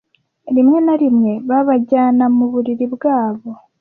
rimwe na rimwe babajyana mu buriri bwabo